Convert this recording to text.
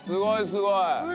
すごい！